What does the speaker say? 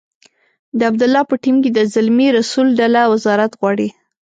د عبدالله په ټیم کې د زلمي رسول ډله وزارت غواړي.